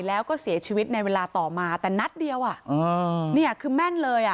แล้วก็เสียชีวิตในเวลาต่อมาแต่นัดเดียวอ่ะอ่าเนี่ยคือแม่นเลยอ่ะ